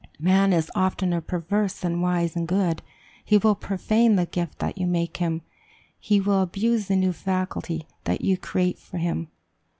Man is oftener perverse than wise and good; he will profane the gift that you make him; he will abuse the new faculty that you create for him.